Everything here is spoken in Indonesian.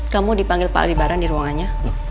kamu dipanggil pak lebaran di ruangannya